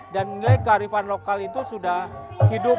dan nilai kearifan lokal itu sudah hidup